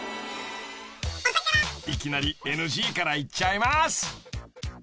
［いきなりＮＧからいっちゃいます］